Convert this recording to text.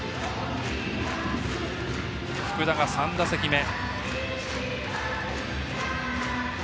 福田が３打席目。